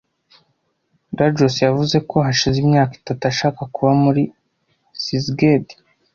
Lajos yavuze ko hashize imyaka itatu ashaka kuba muri Szeged .